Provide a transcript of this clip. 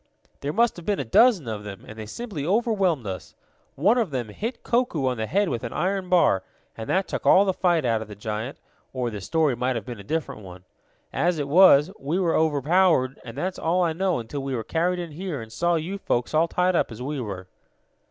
"There must have been a dozen of them, and they simply overwhelmed us. One of them hit Koku on the head with an iron bar, and that took all the fight out of the giant, or the story might have been a different one. As it was, we were overpowered, and that's all I know until we were carried in here, and saw you folks all tied up as we were."